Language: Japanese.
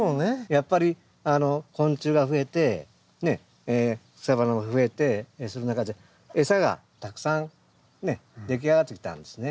やっぱり昆虫がふえて草花もふえてその中でエサがたくさん出来上がってきたんですね。